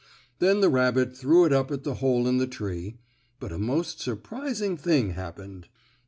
Then the rabbit threw it up at the hole in the tree, but a most surprising thing happened.